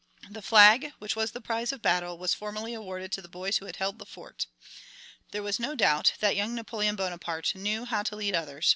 The flag, which was the prize of battle, was formally awarded to the boys who had held the fort. There was no doubt that young Napoleon Bonaparte knew how to lead others.